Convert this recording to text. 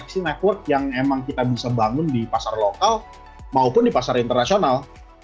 jadi ini adalah network yang memang kita bisa bangun di pasar lokal maupun di pasar internasional